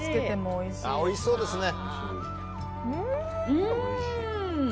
おいしそうですね。